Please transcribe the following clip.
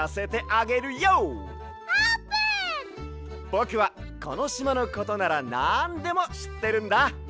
ぼくはこのしまのことならなんでもしってるんだ。